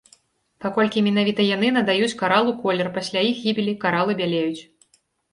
Паколькі менавіта яны надаюць каралу колер, пасля іх гібелі каралы бялеюць.